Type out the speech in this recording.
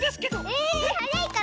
えはやいかな？